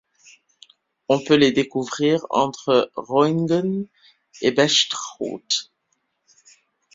On peut les découvrir entre Reunguen et Brec’hoat.